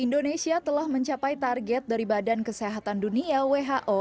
indonesia telah mencapai target dari badan kesehatan dunia who